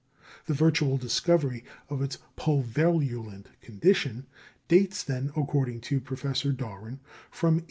The virtual discovery of its pulverulent condition dates, then, according to Professor Darwin, from 1848.